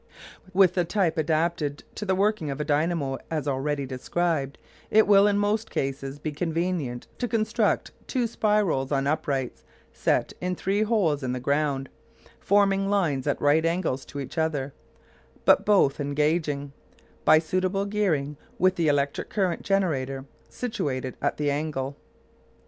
With the type adapted to the working of a dynamo as already described, it will, in most cases, be convenient to construct two spirals on uprights set in three holes in the ground, forming lines at right angles to each other, but both engaging, by suitable gearing, with the electric current generator situated at the angle.